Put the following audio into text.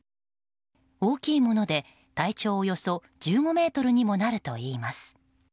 大きいもので体長およそ１５ｍ前後にもなるといいます。